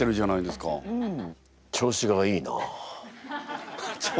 「調子がいいな」。